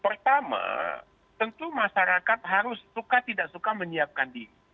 pertama tentu masyarakat harus suka tidak suka menyiapkan diri